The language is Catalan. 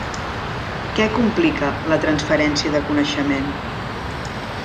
Què complica la transferència de coneixement?